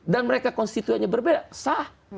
dan mereka konstituenya berbeda sah